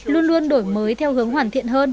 luôn luôn đổi mới theo hướng hoàn thiện hơn